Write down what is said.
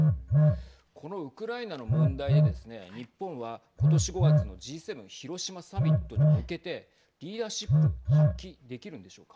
このウクライナの問題でですね日本は今年５月のＧ７広島サミットに向けてリーダーシップ発揮できるんでしょうか。